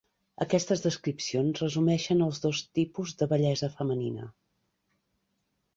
Aquestes descripcions resumeixen els dos tipus de bellesa femenina.